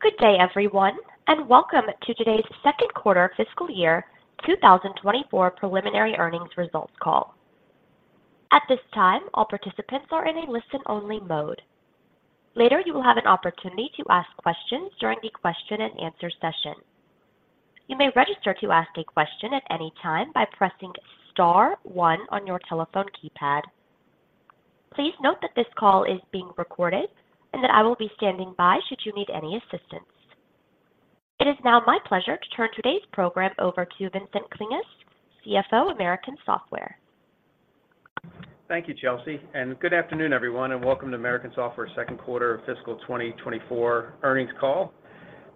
Good day, everyone, and welcome to today's second quarter fiscal year 2024 preliminary earnings results call. At this time, all participants are in a listen-only mode. Later, you will have an opportunity to ask questions during the question-and-answer session. You may register to ask a question at any time by pressing star one on your telephone keypad. Please note that this call is being recorded and that I will be standing by should you need any assistance. It is now my pleasure to turn today's program over to Vincent Klinges, CFO, American Software. Thank you, Chelsea, and good afternoon, everyone, and welcome to American Software's second quarter fiscal 2024 earnings call.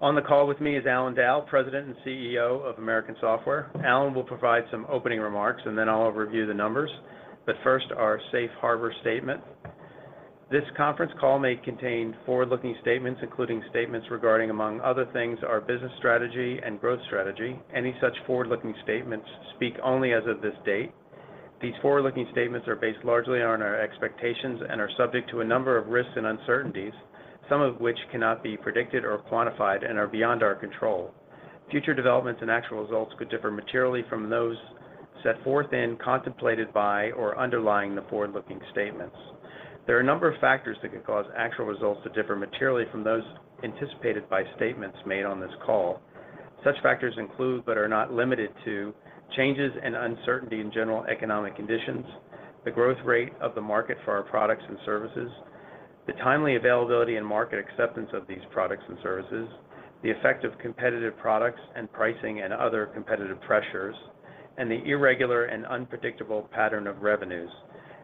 On the call with me is Allan Dow, President and CEO of American Software. Allan will provide some opening remarks, and then I'll review the numbers. But first, our safe harbor statement. This conference call may contain forward-looking statements, including statements regarding, among other things, our business strategy and growth strategy. Any such forward-looking statements speak only as of this date. These forward-looking statements are based largely on our expectations and are subject to a number of risks and uncertainties, some of which cannot be predicted or quantified and are beyond our control. Future developments and actual results could differ materially from those set forth in, contemplated by, or underlying the forward-looking statements. There are a number of factors that could cause actual results to differ materially from those anticipated by statements made on this call. Such factors include, but are not limited to, changes and uncertainty in general economic conditions, the growth rate of the market for our products and services, the timely availability and market acceptance of these products and services, the effect of competitive products and pricing and other competitive pressures, and the irregular and unpredictable pattern of revenues.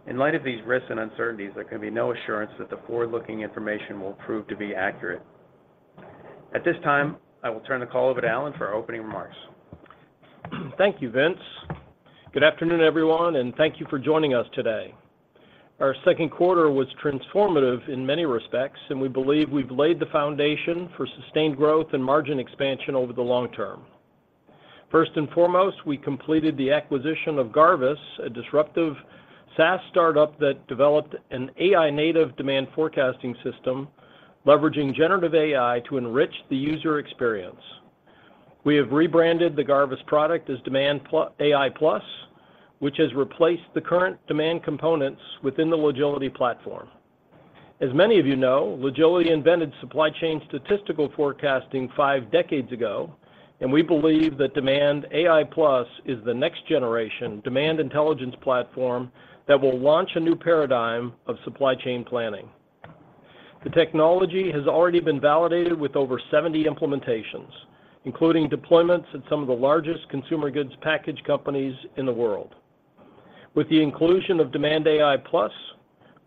In light of these risks and uncertainties, there can be no assurance that the forward-looking information will prove to be accurate. At this time, I will turn the call over to Allan for opening remarks. Thank you, Vince. Good afternoon, everyone, and thank you for joining us today. Our second quarter was transformative in many respects, and we believe we've laid the foundation for sustained growth and margin expansion over the long term. First and foremost, we completed the acquisition of Garvis, a disruptive SaaS startup that developed an AI-native demand forecasting system leveraging generative AI to enrich the user experience. We have rebranded the Garvis product as DemandAI+, which has replaced the current demand components within the Logility platform. As many of you know, Logility invented supply chain statistical forecasting five decades ago, and we believe that DemandAI+ is the next generation demand intelligence platform that will launch a new paradigm of supply chain planning. The technology has already been validated with over 70 implementations, including deployments at some of the largest consumer packaged goods companies in the world. With the inclusion of DemandAI+,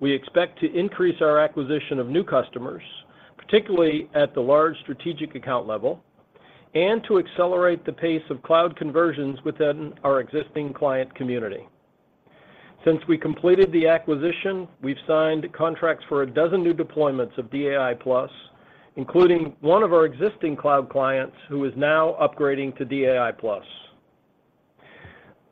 we expect to increase our acquisition of new customers, particularly at the large strategic account level, and to accelerate the pace of cloud conversions within our existing client community. Since we completed the acquisition, we've signed contracts for a dozen new deployments of DAI+, including one of our existing cloud clients, who is now upgrading to DAI+.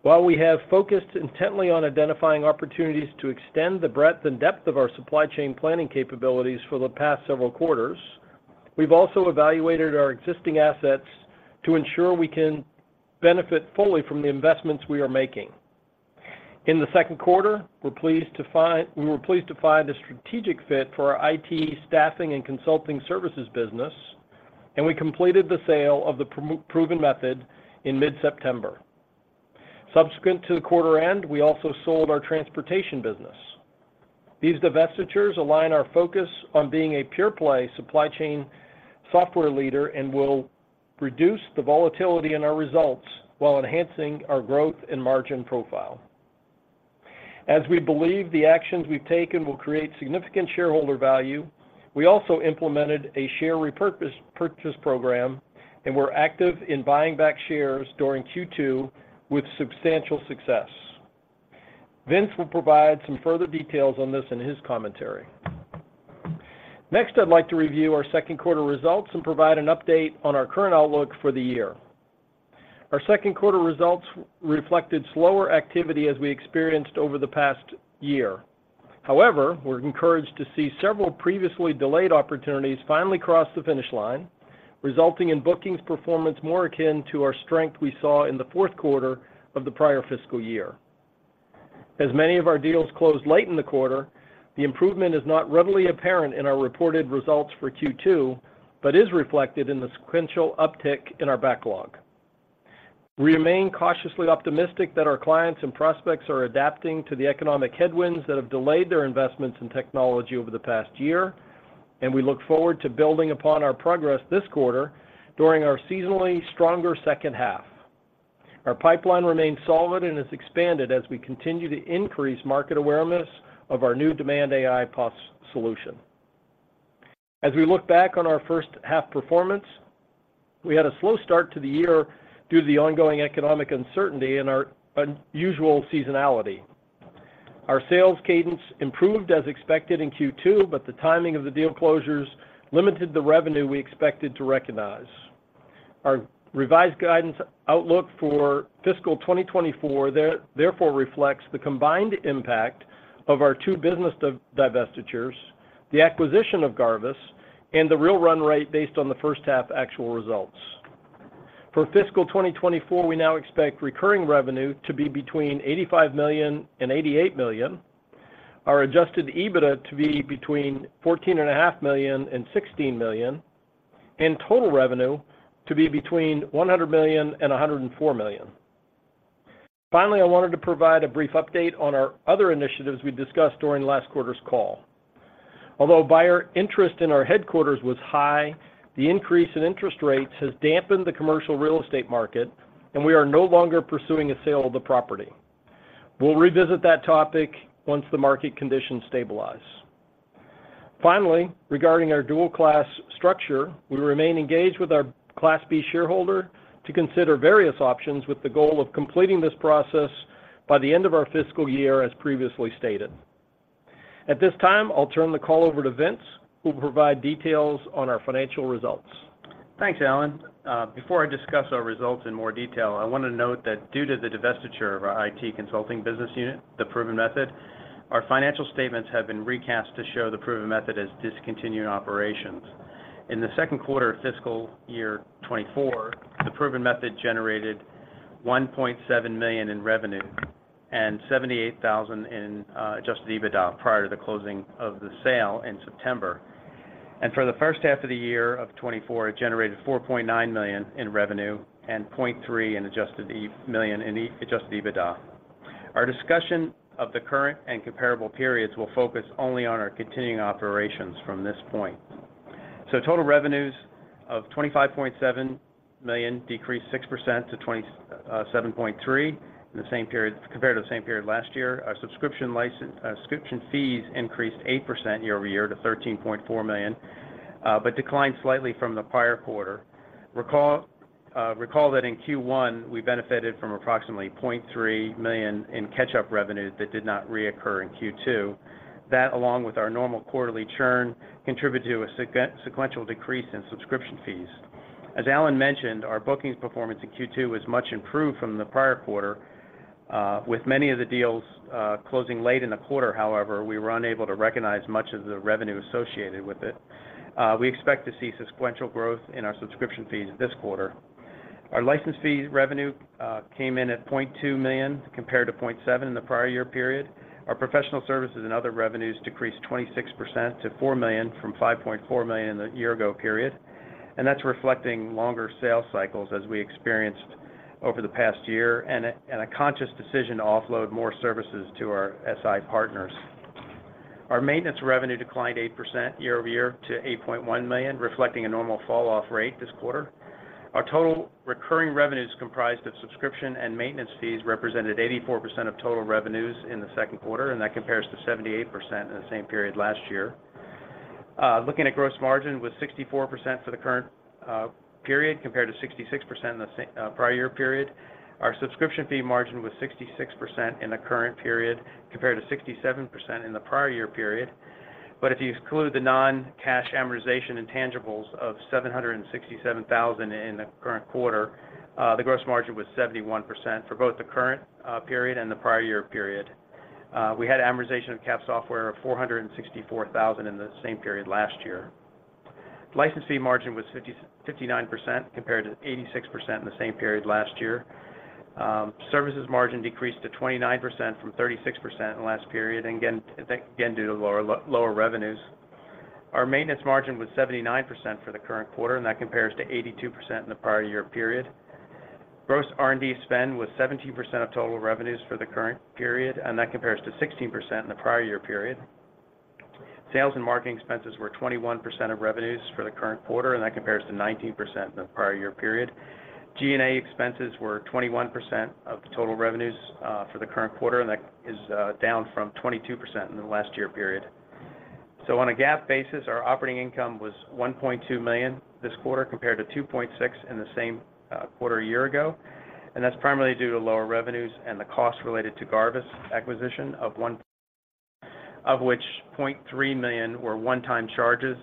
While we have focused intently on identifying opportunities to extend the breadth and depth of our supply chain planning capabilities for the past several quarters, we've also evaluated our existing assets to ensure we can benefit fully from the investments we are making. In the second quarter, we were pleased to find a strategic fit for our IT staffing and consulting services business, and we completed the sale of the Proven Method in mid-September. Subsequent to the quarter end, we also sold our transportation business. These divestitures align our focus on being a pure-play supply chain software leader and will reduce the volatility in our results while enhancing our growth and margin profile. As we believe the actions we've taken will create significant shareholder value, we also implemented a share repurchase program and were active in buying back shares during Q2 with substantial success. Vince will provide some further details on this in his commentary. Next, I'd like to review our second quarter results and provide an update on our current outlook for the year. Our second quarter results reflected slower activity as we experienced over the past year. However, we're encouraged to see several previously delayed opportunities finally cross the finish line, resulting in bookings performance more akin to our strength we saw in the fourth quarter of the prior fiscal year. As many of our deals closed late in the quarter, the improvement is not readily apparent in our reported results for Q2, but is reflected in the sequential uptick in our backlog. We remain cautiously optimistic that our clients and prospects are adapting to the economic headwinds that have delayed their investments in technology over the past year, and we look forward to building upon our progress this quarter during our seasonally stronger second half. Our pipeline remains solid and has expanded as we continue to increase market awareness of our new DemandAI+ solution. As we look back on our first half performance, we had a slow start to the year due to the ongoing economic uncertainty and our unusual seasonality. Our sales cadence improved as expected in Q2, but the timing of the deal closures limited the revenue we expected to recognize. Our revised guidance outlook for fiscal 2024 therefore reflects the combined impact of our two business divestitures, the acquisition of Garvis, and the real run rate based on the first half actual results. For fiscal 2024, we now expect recurring revenue to be between $85 million and $88 million, our adjusted EBITDA to be between $14.5 million and $16 million, and total revenue to be between $100 million and $104 million. Finally, I wanted to provide a brief update on our other initiatives we discussed during last quarter's call. Although buyer interest in our headquarters was high, the increase in interest rates has dampened the commercial real estate market, and we are no longer pursuing a sale of the property. We'll revisit that topic once the market conditions stabilize. Finally, regarding our dual-class structure, we remain engaged with our Class B shareholder to consider various options with the goal of completing this process by the end of our fiscal year, as previously stated. At this time, I'll turn the call over to Vince, who will provide details on our financial results. Thanks, Allan. Before I discuss our results in more detail, I want to note that due to the divestiture of our IT consulting business unit, The Proven Method, our financial statements have been recast to show The Proven Method as discontinued operations. In the second quarter of fiscal year 2024, The Proven Method generated $1.7 million in revenue and $78,000 in adjusted EBITDA prior to the closing of the sale in September. For the first half of 2024, it generated $4.9 million in revenue and $0.3 million in adjusted EBITDA. Our discussion of the current and comparable periods will focus only on our continuing operations from this point. So total revenues of $25.7 million decreased 6% to $27.3 million in the same period compared to the same period last year. Our subscription fees increased 8% year-over-year to $13.4 million, but declined slightly from the prior quarter. Recall that in Q1, we benefited from approximately $0.3 million in catch-up revenue that did not reoccur in Q2. That, along with our normal quarterly churn, contributed to a sequential decrease in subscription fees. As Allan mentioned, our bookings performance in Q2 was much improved from the prior quarter. With many of the deals closing late in the quarter, however, we were unable to recognize much of the revenue associated with it. We expect to see sequential growth in our subscription fees this quarter. Our license fee revenue came in at $0.2 million, compared to $0.7 million in the prior year period. Our professional services and other revenues decreased 26% to $4 million from $5.4 million a year ago period. And that's reflecting longer sales cycles as we experienced over the past year, and a conscious decision to offload more services to our SI partners. Our maintenance revenue declined 8% year-over-year to $8.1 million, reflecting a normal falloff rate this quarter. Our total recurring revenues, comprised of subscription and maintenance fees, represented 84% of total revenues in the second quarter, and that compares to 78% in the same period last year. Looking at gross margin, it was 64% for the current period, compared to 66% in the same prior year period. Our subscription fee margin was 66% in the current period, compared to 67% in the prior year period. But if you exclude the non-cash amortization intangibles of $767,000 in the current quarter, the gross margin was 71% for both the current period and the prior year period. We had amortization of capped software of $464,000 in the same period last year. License fee margin was 59%, compared to 86% in the same period last year. Services margin decreased to 29% from 36% in the last period, and again due to lower revenues. Our maintenance margin was 79% for the current quarter, and that compares to 82% in the prior year period. Gross R&D spend was 17% of total revenues for the current period, and that compares to 16% in the prior year period. Sales and marketing expenses were 21% of revenues for the current quarter, and that compares to 19% in the prior year period. G&A expenses were 21% of the total revenues for the current quarter, and that is down from 22% in the last year period. So on a GAAP basis, our operating income was $1.2 million this quarter, compared to $2.6 million in the same quarter a year ago, and that's primarily due to lower revenues and the costs related to Garvis acquisition of $1 million, of which $0.3 million were one-time charges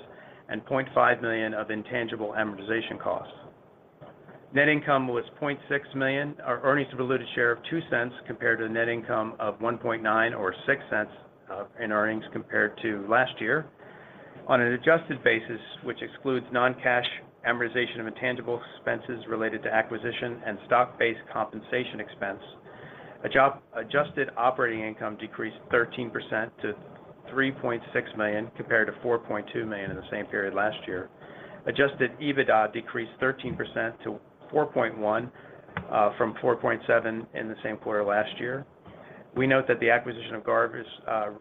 and $0.5 million of intangible amortization costs. Net income was $0.6 million. Our earnings per diluted share of $0.02 compared to the net income of $0.0196 in earnings compared to last year. On an adjusted basis, which excludes non-cash amortization of intangible expenses related to acquisition and stock-based compensation expense, non-GAAP adjusted operating income decreased 13% to $3.6 million, compared to $4.2 million in the same period last year. Adjusted EBITDA decreased 13% to $4.1 million from $4.7 million in the same quarter last year. We note that the acquisition of Garvis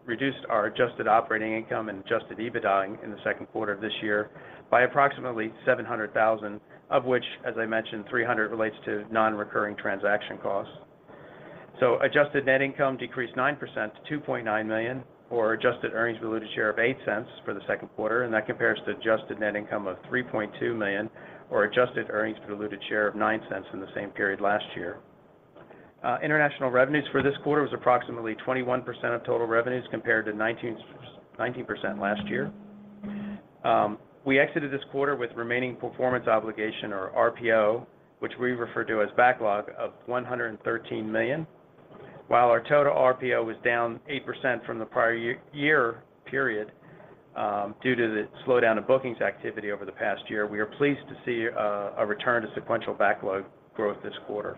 reduced our adjusted operating income and adjusted EBITDA in the second quarter of this year by approximately $700,000, of which, as I mentioned, $300,000 relates to non-recurring transaction costs. Adjusted net income decreased 9% to $2.9 million, or adjusted earnings per diluted share of $0.08 for the second quarter, and that compares to adjusted net income of $3.2 million or adjusted earnings per diluted share of $0.09 in the same period last year. International revenues for this quarter was approximately 21% of total revenues, compared to 19% last year. We exited this quarter with remaining performance obligation, or RPO, which we refer to as backlog, of $113 million. While our total RPO was down 8% from the prior year period, due to the slowdown in bookings activity over the past year, we are pleased to see a return to sequential backlog growth this quarter.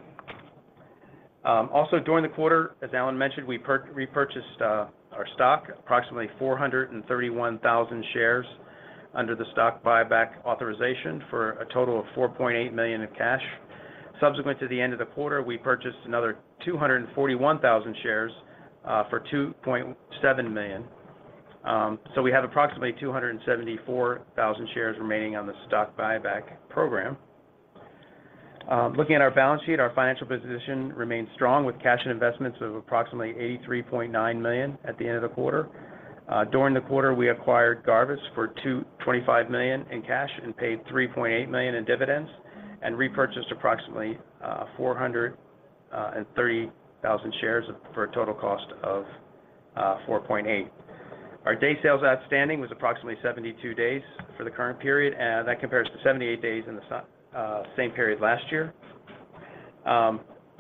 Also during the quarter, as Alan mentioned, we repurchased our stock, approximately 431,000 shares under the stock buyback authorization, for a total of $4.8 million in cash. Subsequent to the end of the quarter, we purchased another 241,000 shares for $2.7 million. So we have approximately 274,000 shares remaining on the stock buyback program. Looking at our balance sheet, our financial position remains strong, with cash and investments of approximately $83.9 million at the end of the quarter. During the quarter, we acquired Garvis for $25 million in cash and paid $3.8 million in dividends, and repurchased approximately 430,000 shares for a total cost of $4.8 million. Our days sales outstanding was approximately 72 days for the current period, and that compares to 78 days in the same period last year.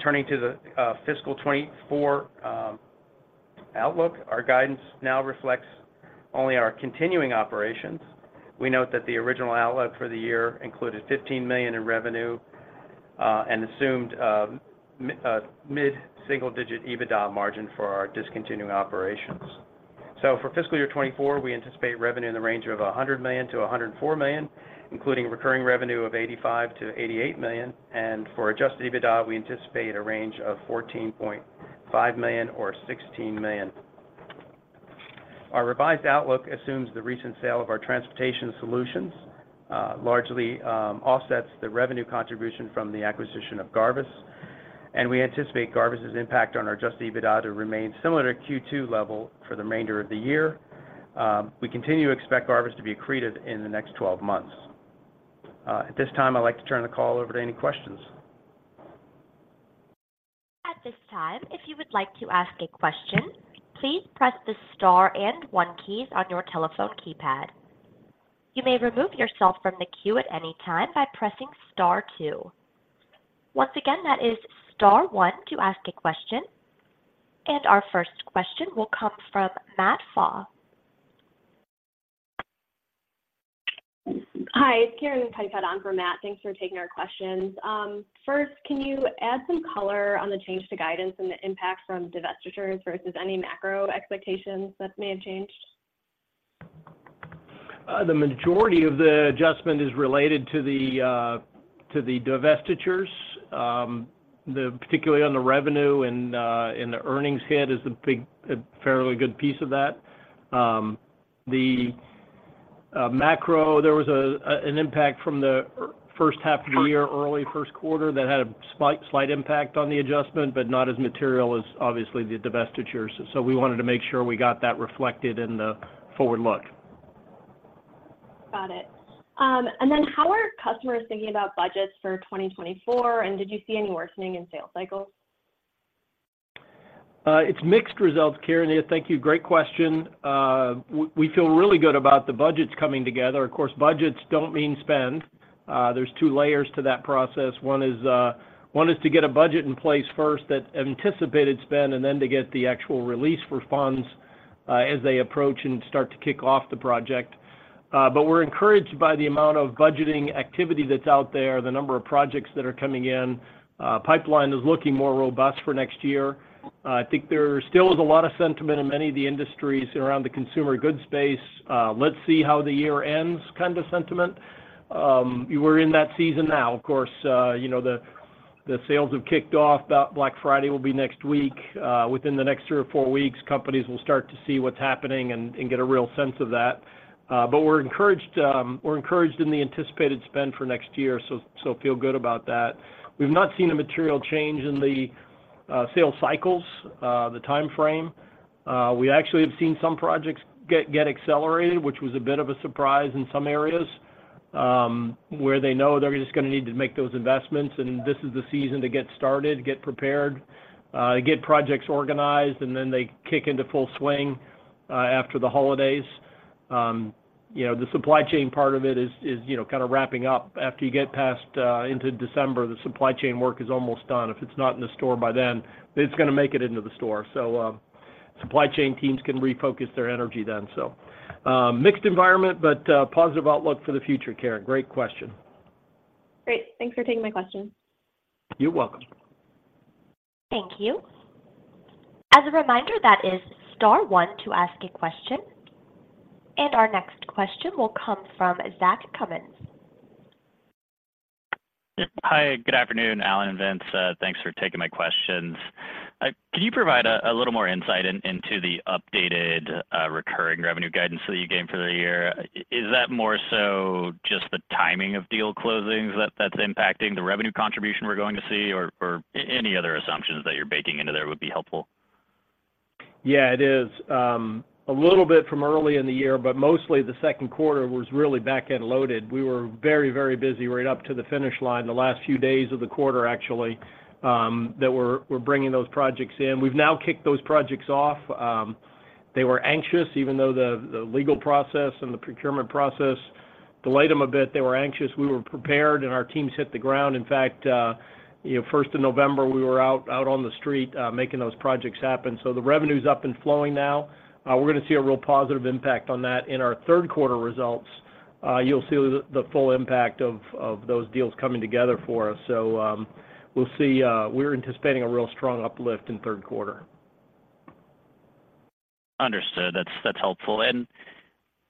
Turning to the fiscal 2024 outlook, our guidance now reflects only our continuing operations. We note that the original outlook for the year included $15 million in revenue, and assumed mid-single-digit EBITDA margin for our discontinued operations. For fiscal year 2024, we anticipate revenue in the range of $100 million-$104 million, including recurring revenue of $85 million-$88 million. For Adjusted EBITDA, we anticipate a range of $14.5 million-$16 million. Our revised outlook assumes the recent sale of our transportation solutions largely offsets the revenue contribution from the acquisition of Garvis, and we anticipate Garvis' impact on our Adjusted EBITDA to remain similar to Q2 level for the remainder of the year. We continue to expect Garvis to be accretive in the next 12 months. At this time, I'd like to turn the call over to any questions. At this time, if you would like to ask a question, please press the Star and One keys on your telephone keypad. You may remove yourself from the queue at any time by pressing Star Two. Once again, that is Star One to ask a question. Our first question will come from Matt Faw. Hi, it's Karen [Padifat] on for Matt. Thanks for taking our questions. First, can you add some color on the change to guidance and the impact from divestitures versus any macro expectations that may have changed? The majority of the adjustment is related to the divestitures. The particularly on the revenue and the earnings hit is a big, a fairly good piece of that. The macro, there was an impact from the first half of the year, early first quarter, that had a slight, slight impact on the adjustment, but not as material as obviously the divestitures. So we wanted to make sure we got that reflected in the forward look. Got it. And then how are customers thinking about budgets for 2024, and did you see any worsening in sales cycles? It's mixed results, Karen. Yeah, thank you. Great question. We feel really good about the budgets coming together. Of course, budgets don't mean spend. There's two layers to that process. One is, one is to get a budget in place first, that anticipated spend, and then to get the actual release for funds, as they approach and start to kick off the project. But we're encouraged by the amount of budgeting activity that's out there, the number of projects that are coming in. Pipeline is looking more robust for next year. I think there still is a lot of sentiment in many of the industries around the consumer goods space. "Let's see how the year ends," kind of sentiment. We're in that season now. Of course, you know, the sales have kicked off. Black Friday will be next week. Within the next three or four weeks, companies will start to see what's happening and get a real sense of that. But we're encouraged, we're encouraged in the anticipated spend for next year, so feel good about that. We've not seen a material change in the sales cycles, the time frame. We actually have seen some projects get accelerated, which was a bit of a surprise in some areas, where they know they're just gonna need to make those investments, and this is the season to get started, get prepared, get projects organized, and then they kick into full swing, after the holidays. You know, the supply chain part of it is, you know, kind of wrapping up. After you get past into December, the supply chain work is almost done. If it's not in the store by then, it's gonna make it into the store. So, supply chain teams can refocus their energy then. So, mixed environment, but, positive outlook for the future, Karen. Great question. Great. Thanks for taking my question. You're welcome. Thank you. As a reminder, that is Star one to ask a question. And our next question will come from Zach Cummins. Yep. Hi, good afternoon, Allan and Vince. Thanks for taking my questions. Can you provide a little more insight into the updated recurring revenue guidance that you gave for the year? Is that more so just the timing of deal closings that's impacting the revenue contribution we're going to see, or any other assumptions that you're baking into there would be helpful? Yeah, it is, a little bit from early in the year, but mostly the second quarter was really back-end loaded. We were very, very busy right up to the finish line, the last few days of the quarter, actually, that we're bringing those projects in. We've now kicked those projects off. They were anxious, even though the legal process and the procurement process delayed them a bit. They were anxious. We were prepared, and our teams hit the ground. In fact, you know, first of November, we were out on the street, making those projects happen. So the revenue's up and flowing now. We're gonna see a real positive impact on that. In our third quarter results, you'll see the full impact of those deals coming together for us. So, we'll see, we're anticipating a real strong uplift in third quarter. Understood. That's helpful.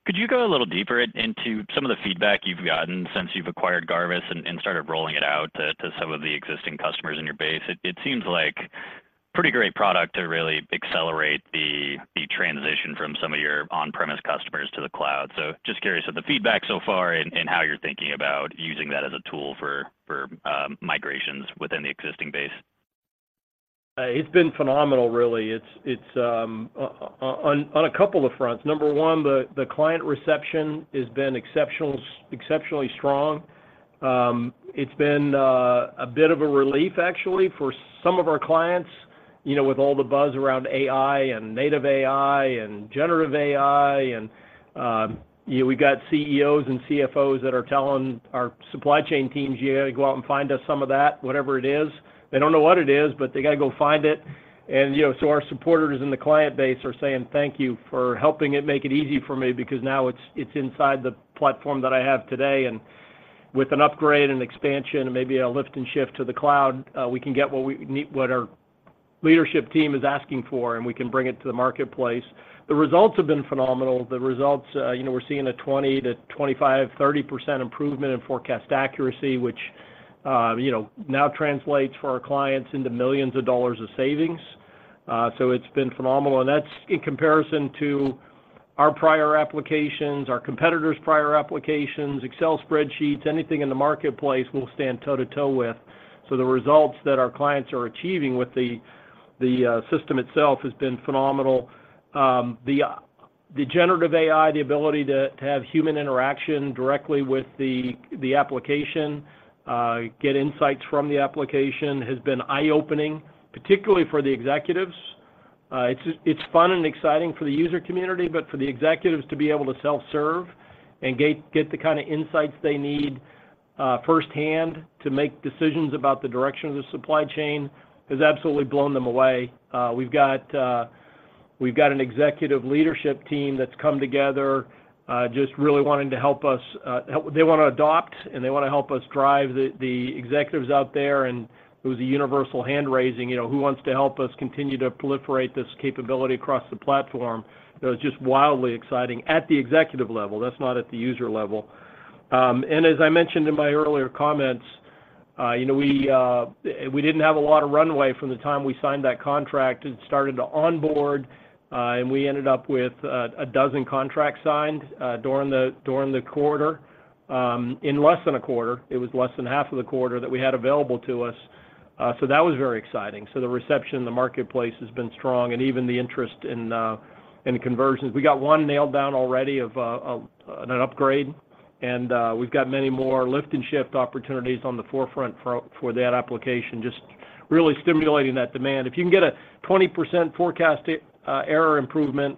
Could you go a little deeper into some of the feedback you've gotten since you've acquired Garvis and started rolling it out to some of the existing customers in your base? It seems like pretty great product to really accelerate the transition from some of your on-premise customers to the cloud. So just curious of the feedback so far and how you're thinking about using that as a tool for migrations within the existing base. It's been phenomenal, really. It's on a couple of fronts. Number one, the client reception has been exceptionally strong. It's been a bit of a relief, actually, for some of our clients, you know, with all the buzz around AI and native AI and Generative AI, and, you know, we've got CEOs and CFOs that are telling our supply chain teams, "You gotta go out and find us some of that, whatever it is." They don't know what it is, but they gotta go find it. And, you know, so our supporters in the client base are saying, "Thank you for helping it make it easy for me because now it's inside the platform that I have today. And with an upgrade and expansion and maybe a lift and shift to the cloud, we can get what we need- what our leadership team is asking for, and we can bring it to the marketplace." The results have been phenomenal. The results, you know, we're seeing a 20%-25%-30% improvement in forecast accuracy, which, you know, now translates for our clients into millions of dollars of savings. So it's been phenomenal, and that's in comparison to our prior applications, our competitors' prior applications, Excel spreadsheets, anything in the marketplace, we'll stand toe-to-toe with. So the results that our clients are achieving with the system itself has been phenomenal. The generative AI, the ability to have human interaction directly with the application, get insights from the application, has been eye-opening, particularly for the executives. It's fun and exciting for the user community, but for the executives to be able to self-serve and get the kinda insights they need firsthand to make decisions about the direction of the supply chain, has absolutely blown them away. We've got an executive leadership team that's come together just really wanting to help us. They wanna adopt, and they wanna help us drive the executives out there. And it was a universal hand-raising, you know, "Who wants to help us continue to proliferate this capability across the platform?" It was just wildly exciting at the executive level. That's not at the user level. And as I mentioned in my earlier comments, you know, we didn't have a lot of runway from the time we signed that contract and started to onboard, and we ended up with 12 contracts signed during the quarter in less than a quarter. It was less than half of the quarter that we had available to us, so that was very exciting. So the reception in the marketplace has been strong, and even the interest in the conversions. We got one nailed down already of an upgrade, and we've got many more lift and shift opportunities on the forefront for that application, just really stimulating that demand. If you can get a 20% forecast error improvement,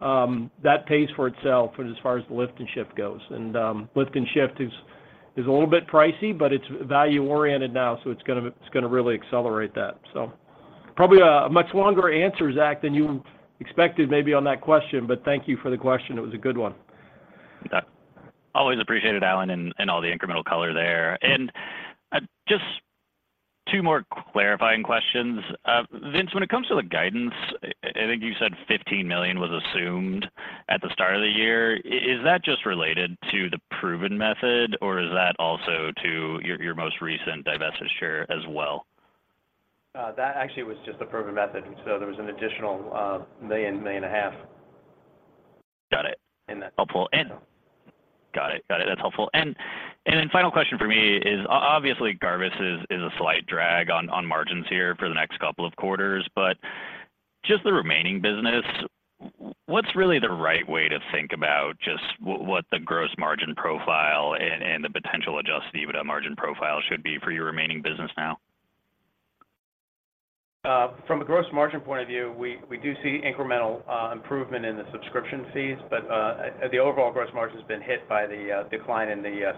that pays for itself as far as the lift and shift goes. Lift and shift is a little bit pricey, but it's value-oriented now, so it's gonna really accelerate that. Probably a much longer answer, Zach, than you expected maybe on that question, but thank you for the question. It was a good one. Always appreciate it, Allan, and all the incremental color there. Just two more clarifying questions. Vince, when it comes to the guidance, I think you said $15 million was assumed at the start of the year. Is that just related to the Proven Method, or is that also to your most recent divestiture as well? That actually was just The Proven Method, so there was an additional $1.5 million- Got it - in that. Helpful. Got it. Got it. That's helpful. And then final question for me is, obviously, Garvis is a slight drag on margins here for the next couple of quarters, but just the remaining business, what's really the right way to think about just what the gross margin profile and the potential Adjusted EBITDA margin profile should be for your remaining business now? From a gross margin point of view, we do see incremental improvement in the subscription fees, but the overall gross margin has been hit by the decline in the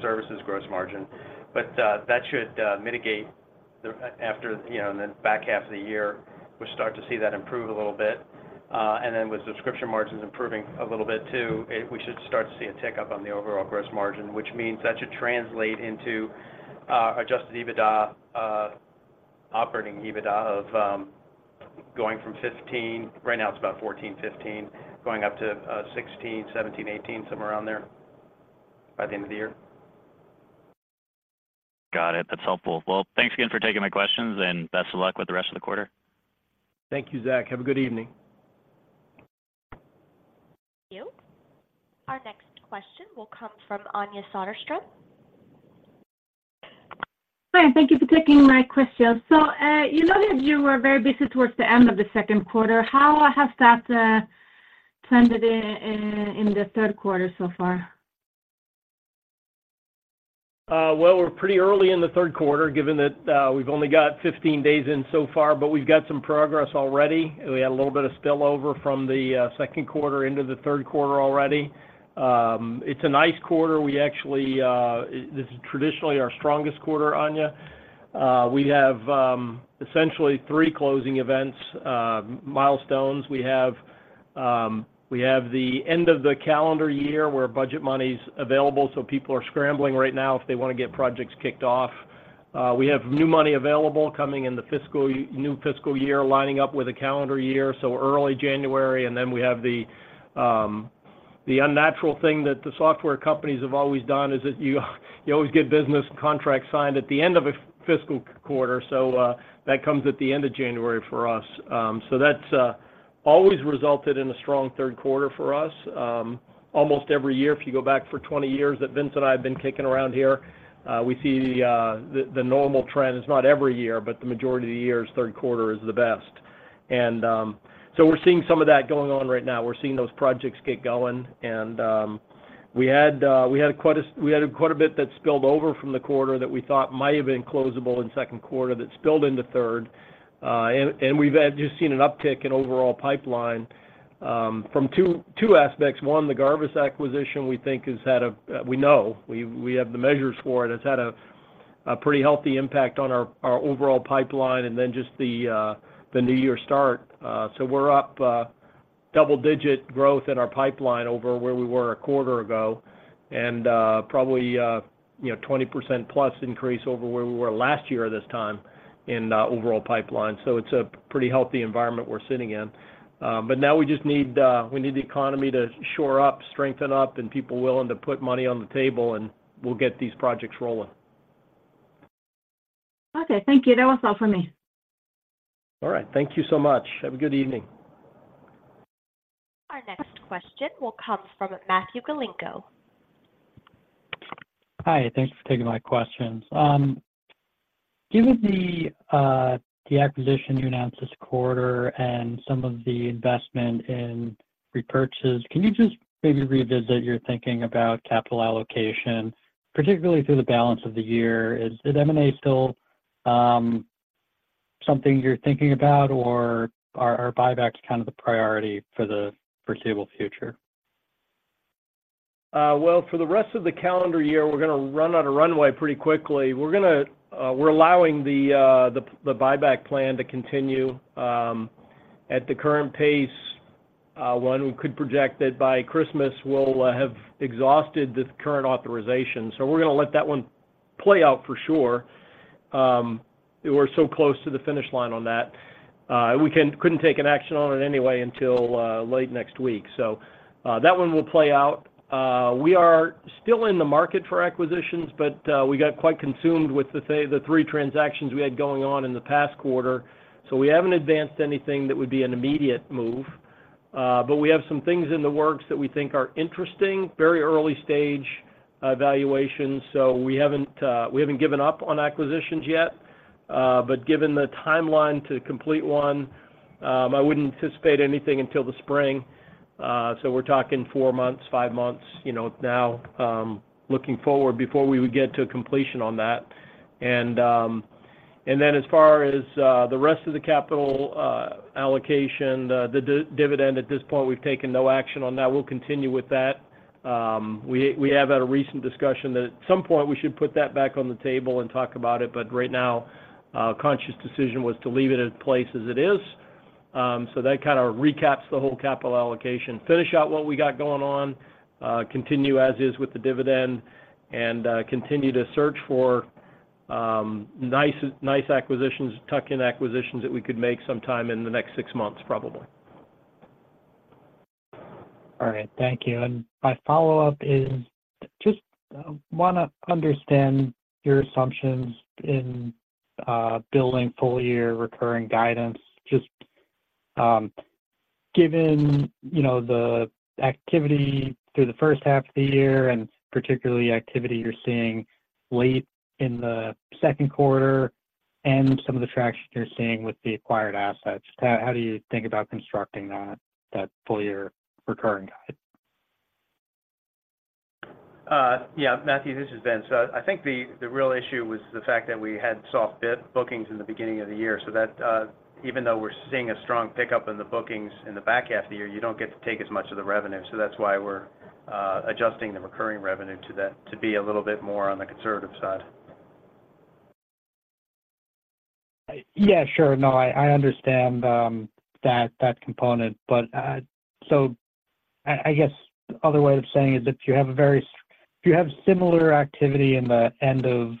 services gross margin. But that should mitigate the… after, you know, in the back half of the year, we'll start to see that improve a little bit. And then with subscription margins improving a little bit too, we should start to see a tick up on the overall gross margin, which means that should translate into Adjusted EBITDA, operating EBITDA of going from 15%, right now it's about 14%-15%, going up to 16%-18%, somewhere around there by the end of the year. Got it. That's helpful. Well, thanks again for taking my questions, and best of luck with the rest of the quarter. Thank you, Zach. Have a good evening. Thank you. Our next question will come from Anja Soderstrom. ... Hi, thank you for taking my question. So, you know that you were very busy towards the end of the second quarter. How has that trended in the third quarter so far? Well, we're pretty early in the third quarter, given that we've only got 15 days in so far, but we've got some progress already. We had a little bit of spillover from the second quarter into the third quarter already. It's a nice quarter. We actually this is traditionally our strongest quarter, Anja. We have we have essentially three closing events milestones. We have we have the end of the calendar year, where budget money's available, so people are scrambling right now if they want to get projects kicked off. We have new money available coming in the new fiscal year, lining up with the calendar year, so early January. And then we have the unnatural thing that the software companies have always done, is that you always get business contracts signed at the end of a fiscal quarter. So, that comes at the end of January for us. So that's always resulted in a strong third quarter for us. Almost every year, if you go back for 20 years that Vince and I have been kicking around here, we see the normal trend. It's not every year, but the majority of the years, third quarter is the best. So we're seeing some of that going on right now. We're seeing those projects get going. And, we had quite a bit that spilled over from the quarter that we thought might have been closable in second quarter, that spilled into third. And we've just seen an uptick in overall pipeline from two aspects. One, the Garvis acquisition, we think, has had a- we know, we have the measures for it. It's had a pretty healthy impact on our overall pipeline, and then just the new year start. So we're up double digit growth in our pipeline over where we were a quarter ago, and probably, you know, 20%+ increase over where we were last year at this time in overall pipeline. So it's a pretty healthy environment we're sitting in. But now we just need, we need the economy to shore up, strengthen up, and people willing to put money on the table, and we'll get these projects rolling. Okay, thank you. That was all for me. All right, thank you so much. Have a good evening. Our next question will come from Matthew Galinko. Hi, thanks for taking my questions. Given the acquisition you announced this quarter and some of the investment in repurchases, can you just maybe revisit your thinking about capital allocation, particularly through the balance of the year? Is M&A still something you're thinking about, or are buybacks kind of the priority for the foreseeable future? Well, for the rest of the calendar year, we're gonna run out of runway pretty quickly. We're allowing the buyback plan to continue at the current pace. When we could project that by Christmas, we'll have exhausted this current authorization. So we're gonna let that one play out for sure. We're so close to the finish line on that. We couldn't take an action on it anyway until late next week, so that one will play out. We are still in the market for acquisitions, but we got quite consumed with the three transactions we had going on in the past quarter. So we haven't advanced anything that would be an immediate move. But we have some things in the works that we think are interesting, very early stage evaluations. So we haven't given up on acquisitions yet. But given the timeline to complete one, I wouldn't anticipate anything until the spring. So we're talking four months, five months, you know, now, looking forward before we would get to a completion on that. And then as far as the rest of the capital allocation, the dividend, at this point, we've taken no action on that. We'll continue with that. We have had a recent discussion that at some point, we should put that back on the table and talk about it, but right now, our consensus decision was to leave it in place as it is. So that kind of recaps the whole capital allocation. Finish out what we got going on, continue as is with the dividend, and continue to search for nice, nice acquisitions, tuck-in acquisitions that we could make sometime in the next six months, probably. All right, thank you. My follow-up is, just, wanna understand your assumptions in building full-year recurring guidance. Just, given, you know, the activity through the first half of the year, and particularly activity you're seeing late in the second quarter, and some of the traction you're seeing with the acquired assets, how do you think about constructing that full-year recurring guide? Yeah, Matthew, this is Vince. I think the, the real issue was the fact that we had soft bookings in the beginning of the year. So that, even though we're seeing a strong pickup in the bookings in the back half of the year, you don't get to take as much of the revenue. So that's why we're adjusting the recurring revenue to that, to be a little bit more on the conservative side. Yeah, sure. No, I understand that component, but. So I guess other way of saying is, if you have similar activity in the end of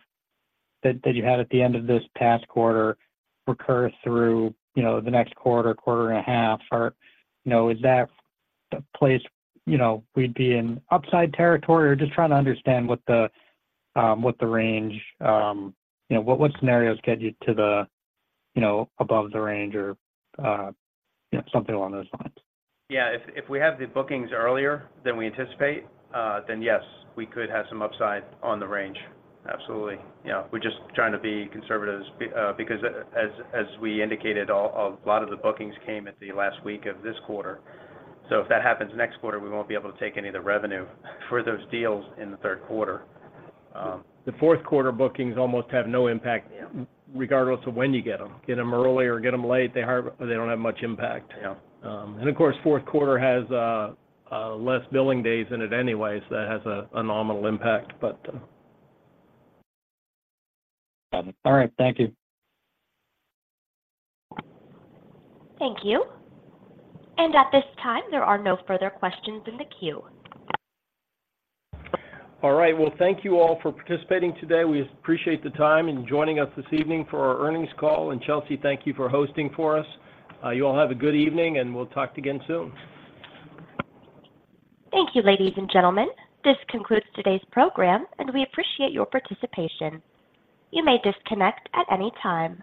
that that you had at the end of this past quarter, recur through, you know, the next quarter, quarter and a half, or, you know, is that the place, you know, we'd be in upside territory? Or just trying to understand what the range, you know, what scenarios get you to the above the range or, you know, something along those lines. Yeah. If we have the bookings earlier than we anticipate, then yes, we could have some upside on the range. Absolutely. Yeah, we're just trying to be conservative because as we indicated, a lot of the bookings came at the last week of this quarter. So if that happens next quarter, we won't be able to take any of the revenue for those deals in the third quarter. The fourth quarter bookings almost have no impact- Yeah... regardless of when you get them. Get them early or get them late, they don't have much impact. Yeah. and of course, fourth quarter has less billing days in it anyway, so that has a nominal impact, but Got it. All right, thank you. Thank you. At this time, there are no further questions in the queue. All right. Well, thank you all for participating today. We appreciate the time and joining us this evening for our earnings call. And Chelsea, thank you for hosting for us. You all have a good evening, and we'll talk again soon. Thank you, ladies and gentlemen. This concludes today's program, and we appreciate your participation. You may disconnect at any time.